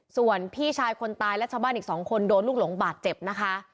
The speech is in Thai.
ส่วนพี่ชายคนตายและชาวบ้านอีก๒คนโดนลูกหลงบาดเจ็บนะคะ